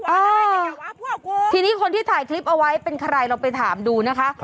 ทีนี้คนที่ถ่ายคลิปเอาไว้เป็นใครลองไปถามดูนะคะ